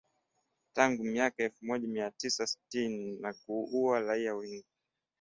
Tangu miaka ya elfu moja mia tisa tisini na kuua raia wengi.